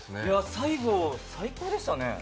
最後、最高でしたね。